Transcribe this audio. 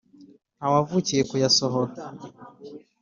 Ntawavukiye kuyasohora